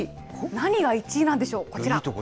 何が１位なんでしょう、こちら。